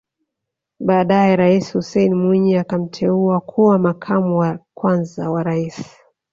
Baadae Rais Hussein Mwinyi akamteua kuwa makamu wa kwanza wa Rais